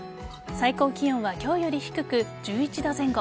最高気温は今日より低く１１度前後。